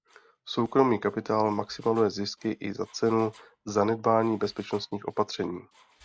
Soukromý kapitál maximalizuje zisky i za cenu zanedbání bezpečnostních opatření.